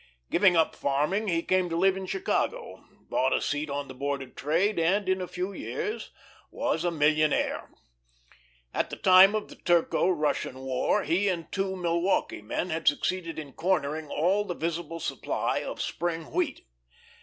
Giving up farming, he came to live in Chicago, bought a seat on the Board of Trade, and in a few years was a millionaire. At the time of the Turco Russian War he and two Milwaukee men had succeeded in cornering all the visible supply of spring wheat.